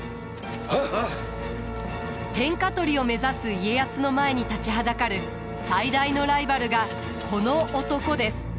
天下取りを目指す家康の前に立ちはだかる最大のライバルがこの男です。